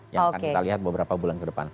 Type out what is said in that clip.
yang akan kita lihat beberapa bulan ke depan